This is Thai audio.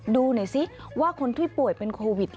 ดูหน่อยซิว่าคนที่ป่วยเป็นโควิด